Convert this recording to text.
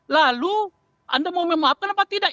lalu anda mau memaafkan apa tidak